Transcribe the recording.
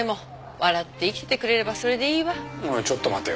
おいちょっと待てよ。